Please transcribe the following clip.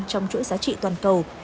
trong chuỗi giá trị toàn cầu